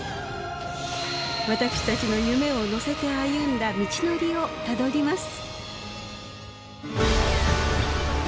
私たちの夢を乗せて歩んだ道のりをたどります。